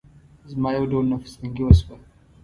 زما يو ډول نفس تنګي وشوه.